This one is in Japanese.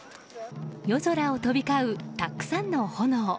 夜空を飛び交う、たくさんの炎。